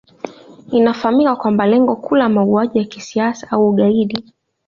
Inafahamika kwamba lengo kuu la mauaji ya kisiasa au ugaidi